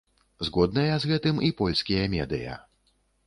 Згодныя з гэтым і польскія медыя.